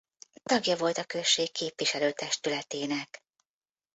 Tagja volt a község képviselőtestületének.